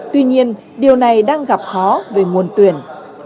tuy nhiên điều này đang gặp khó về nguồn tuyển